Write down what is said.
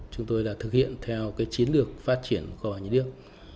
chúng tôi đã thực hiện theo chiến lược phát triển kho bạc nhà nước